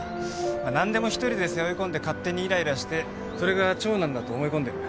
なんでも一人で背負い込んで勝手にイライラしてそれが長男だと思い込んでる。